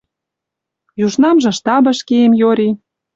Южнамжы штабыш кеем йори